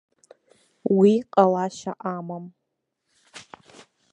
Уи ҟалашьа амам!